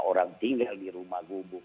orang tinggal di rumah gubuk